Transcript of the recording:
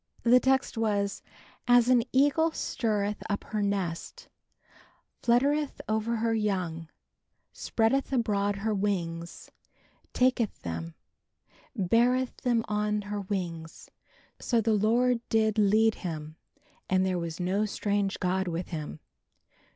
The text was "As an eagle stirreth up her nest, fluttereth over her young, spreadeth abroad her wings, taketh them, beareth them on her wings, so the Lord did lead him and there was no strange God with him."